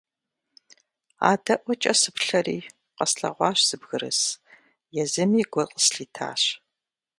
АдэӀуэкӀэ сыплъэри къэслъэгъуащ зы бгырыс, езыми гу къыслъитащ.